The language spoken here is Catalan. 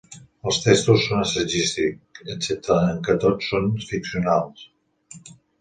Els textos són assagístic, excepte en què tots són ficcionals.